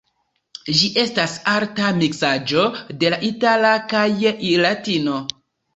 Ĝi estas arta miksaĵo de la itala kaj latino.